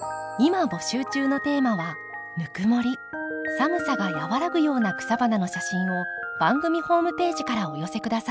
寒さが和らぐような草花の写真を番組ホームページからお寄せ下さい。